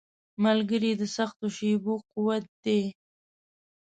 ملګری د سختو شېبو قوت دی.